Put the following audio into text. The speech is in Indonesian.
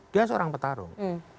dia seorang petarung